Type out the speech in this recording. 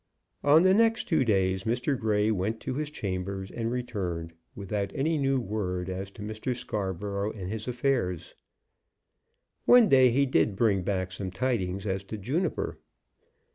On the next two days Mr. Grey went to his chambers and returned, without any new word as to Mr. Scarborough and his affairs. One day he did bring back some tidings as to Juniper.